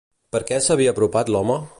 Per què s'havia apropat l'home?